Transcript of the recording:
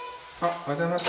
おはようございます。